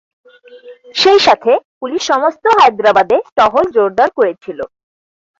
সেই সাথে পুলিশ সমস্ত হায়দ্রাবাদে টহল জোরদার করেছিল।